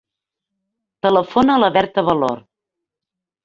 Telefona a la Berta Valor.